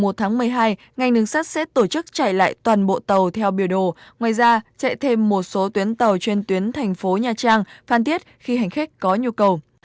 ngày một tháng một mươi hai ngành đường sắt sẽ tổ chức chạy lại toàn bộ tàu theo biểu đồ ngoài ra chạy thêm một số tuyến tàu trên tuyến thành phố nha trang phan thiết khi hành khách có nhu cầu